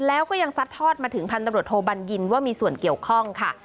แล้วก็ยังซัดทอดมาถึงพันตำรวจโทบัญญินว่ามีส่วนเกี่ยวข้องค่ะ